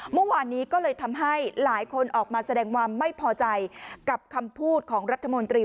เมื่อวานนี้ก็เลยทำให้หลายคนออกมาแสดงความไม่พอใจกับคำพูดของรัฐมนตรี